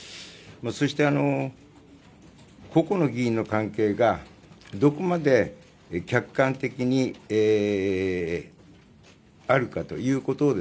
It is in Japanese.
そして、個々の議員の関係がどこまで客観的にあるかということを